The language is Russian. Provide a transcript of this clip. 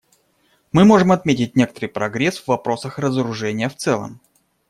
Мы можем отметить некоторый прогресс в вопросах разоружения в целом.